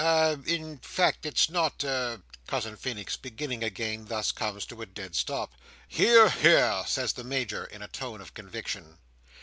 "A—in fact it's not a—" Cousin Feenix beginning again, thus, comes to a dead stop. "Hear, hear!" says the Major, in a tone of conviction.